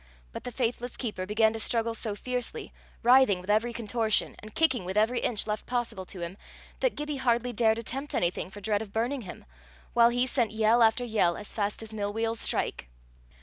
But the faithless keeper began to struggle so fiercely, writhing with every contortion, and kicking with every inch, left possible to him, that Gibbie hardly dared attempt anything for dread of burning him, while he sent yell after yell "as fast as mill wheels strike."